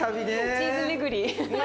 チーズ巡り。